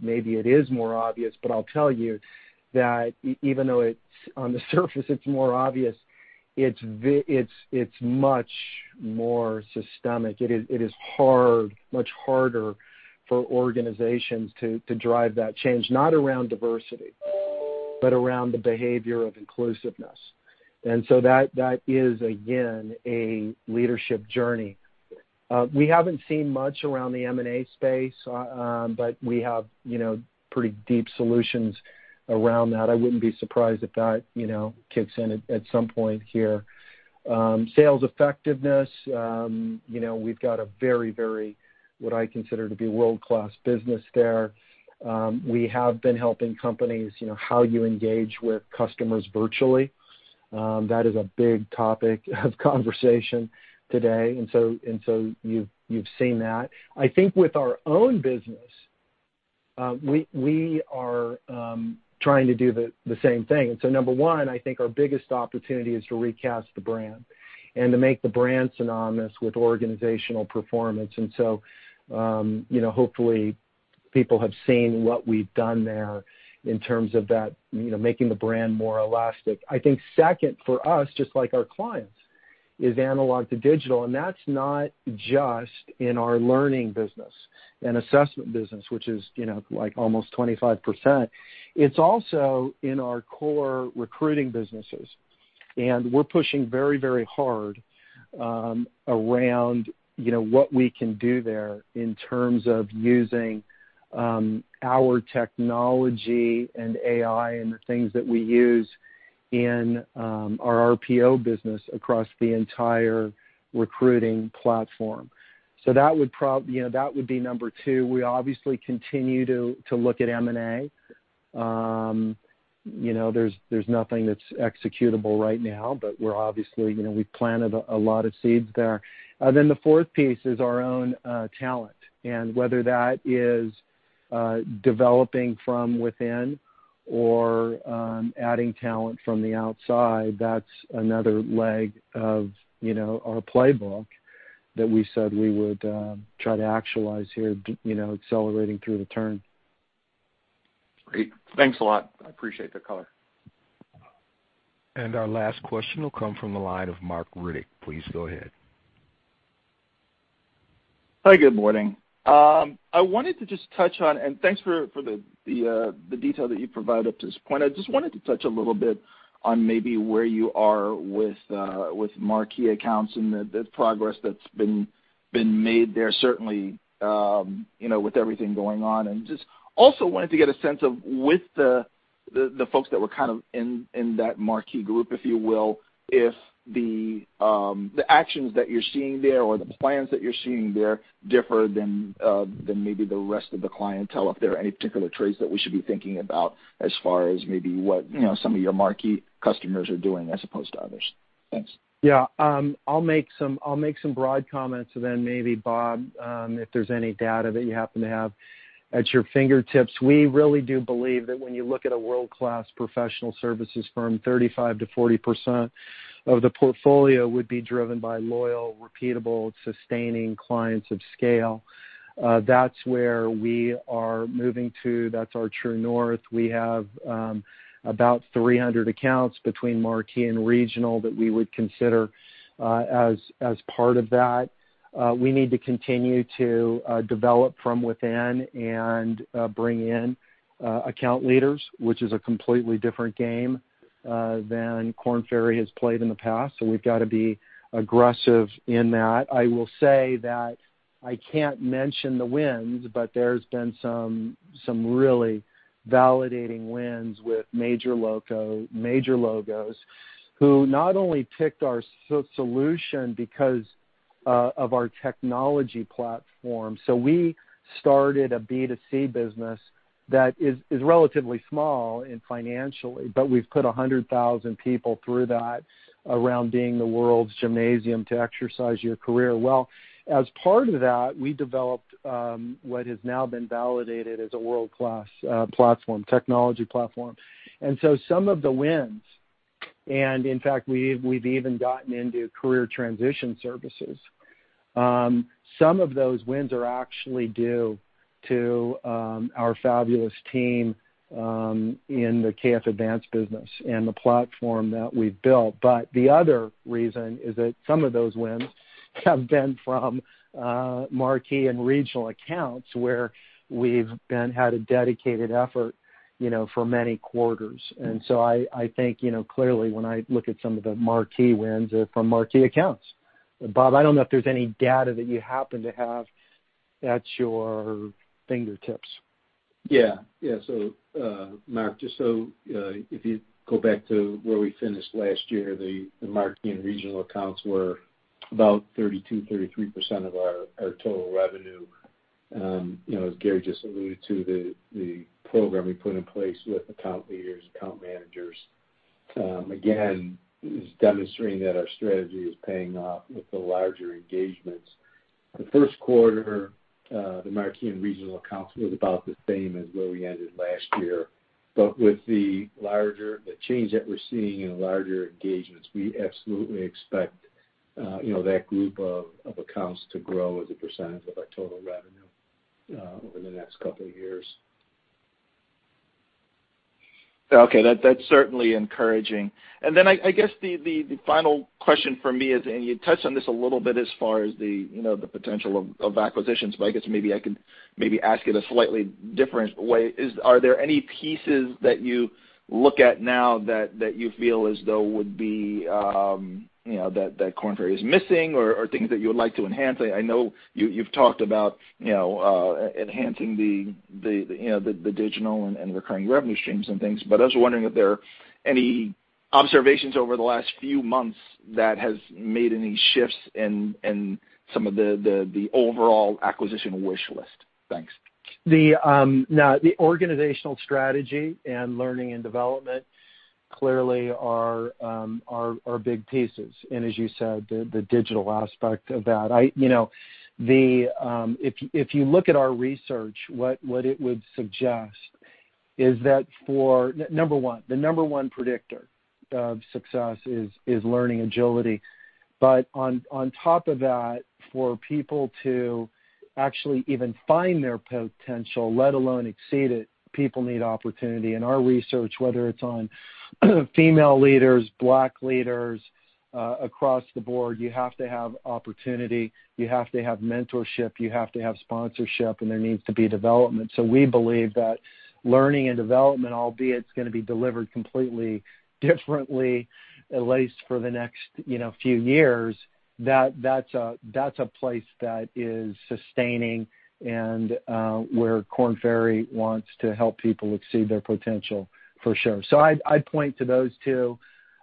maybe it is more obvious, but I'll tell you that even though on the surface it's more obvious, it's much more systemic. It is hard, much harder for organizations to drive that change, not around diversity, but around the behavior of inclusiveness. That is, again, a leadership journey. We haven't seen much around the M&A space, but we have pretty deep solutions around that. I wouldn't be surprised if that kicks in at some point here. Sales effectiveness. We've got a very, very, what I consider to be world-class business there. We have been helping companies, how you engage with customers virtually. That is a big topic of conversation today, you've seen that. I think with our own business, we are trying to do the same thing. Number one, I think our biggest opportunity is to recast the brand and to make the brand synonymous with organizational performance. Hopefully people have seen what we've done there in terms of that, making the brand more elastic. I think second for us, just like our clients, is analog to digital, and that's not just in our learning business and assessment business, which is almost 25%. It's also in our core recruiting businesses. We're pushing very, very hard around what we can do there in terms of using our technology and AI and the things that we use in our RPO business across the entire recruiting platform. That would be number two. We obviously continue to look at M&A. There's nothing that's executable right now, but we've planted a lot of seeds there. The fourth piece is our own talent, and whether that is developing from within or adding talent from the outside, that's another leg of our playbook that we said we would try to actualize here, accelerating through the turn. Great. Thanks a lot. I appreciate the color. Our last question will come from the line of Marc Riddick. Please go ahead. Hi, good morning. I wanted to just touch on, and thanks for the detail that you provided up to this point. I just wanted to touch a little bit on maybe where you are with marquee accounts and the progress that's been made there, certainly with everything going on. Just also wanted to get a sense of with the folks that were kind of in that marquee group, if you will, if the actions that you're seeing there or the plans that you're seeing there differ than maybe the rest of the clientele. If there are any particular traits that we should be thinking about as far as maybe what some of your marquee customers are doing as opposed to others. Thanks. Yeah. I'll make some broad comments and then maybe, Bob, if there's any data that you happen to have at your fingertips. We really do believe that when you look at a world-class professional services firm, 35%-40% of the portfolio would be driven by loyal, repeatable, sustaining clients of scale. That's where we are moving to. That's our true north. We have about 300 accounts between marquee and regional that we would consider as part of that. We need to continue to develop from within and bring in account leaders, which is a completely different game than Korn Ferry has played in the past. We've got to be aggressive in that. I will say that I can't mention the wins, but there's been some really validating wins with major logos who not only picked our solution because of our technology platform. We started a B2C business that is relatively small financially, but we've put 100,000 people through that around being the world's gymnasium to exercise your career. As part of that, we developed what has now been validated as a world-class platform, technology platform. Some of the wins. In fact, we've even gotten into career transition services. Some of those wins are actually due to our fabulous team in the KF Advance business and the platform that we've built. The other reason is that some of those wins have been from marquee and regional accounts, where we've then had a dedicated effort for many quarters. I think, clearly when I look at some of the marquee wins, they're from marquee accounts. Bob, I don't know if there's any data that you happen to have at your fingertips. Yeah. Mark, just if you go back to where we finished last year, the marquee and regional accounts were about 32%-33% of our total revenue. As Gary just alluded to, the program we put in place with account leaders, account managers, again, is demonstrating that our strategy is paying off with the larger engagements. The first quarter, the marquee and regional accounts was about the same as where we ended last year. With the change that we're seeing in larger engagements, we absolutely expect that group of accounts to grow as a percentage of our total revenue over the next couple of years. Okay. That's certainly encouraging. Then I guess the final question from me is, and you touched on this a little bit as far as the potential of acquisitions, but I guess maybe I could maybe ask it a slightly different way. Are there any pieces that you look at now that you feel as though that Korn Ferry is missing or things that you would like to enhance? I know you've talked about enhancing the digital and recurring revenue streams and things, but I was wondering if there are any observations over the last few months that has made any shifts in some of the overall acquisition wish list. Thanks. The organizational strategy and learning and development clearly are big pieces and as you said, the digital aspect of that. If you look at our research, what it would suggest is that the number one predictor of success is learning agility. On top of that, for people to actually even find their potential, let alone exceed it, people need opportunity. Our research, whether it's on female leaders, Black leaders, across the board, you have to have opportunity, you have to have mentorship, you have to have sponsorship, and there needs to be development. We believe that learning and development, albeit it's going to be delivered completely differently, at least for the next few years, that's a place that is sustaining and where Korn Ferry wants to help people exceed their potential for sure. I'd point to those two.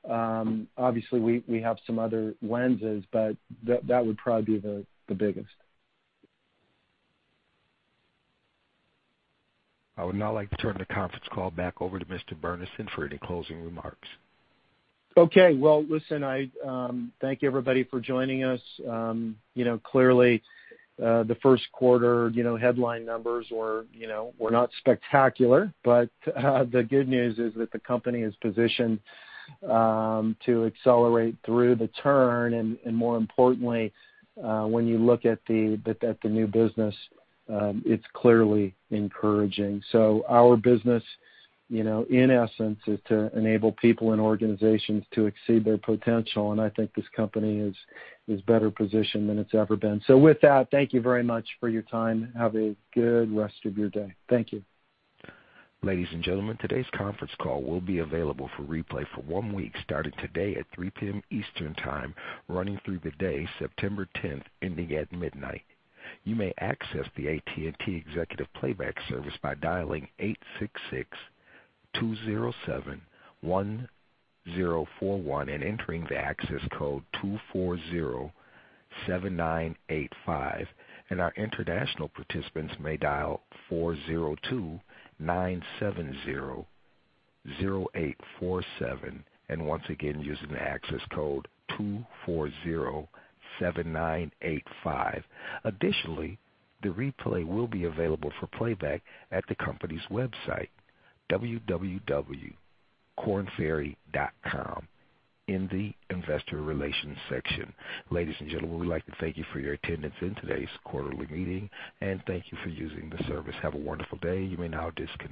Obviously, we have some other lenses, but that would probably be the biggest. I would now like to turn the conference call back over to Mr. Burnison for any closing remarks. Okay. Well, listen, I thank you everybody for joining us. Clearly, the first quarter headline numbers were not spectacular, but the good news is that the company is positioned to accelerate through the turn, and more importantly, when you look at the new business, it's clearly encouraging. Our business, in essence, is to enable people and organizations to exceed their potential, and I think this company is better positioned than it's ever been. With that, thank you very much for your time. Have a good rest of your day. Thank you. Ladies and gentlemen, today's conference call will be available for replay for one week, starting today at 3:00 P.M. Eastern Time, running through the day, September 10th, ending at midnight. You may access the AT&T Executive Playback service by dialing (866) 207-1041 and entering the access code 2407985. Our international participants may dial 402-970-0847, and once again, using the access code 2407985. Additionally, the replay will be available for playback at the company's website, www.kornferry.com, in the investor relations section. Ladies and gentlemen, we'd like to thank you for your attendance in today's quarterly meeting and thank you for using the service. Have a wonderful day. You may now disconnect.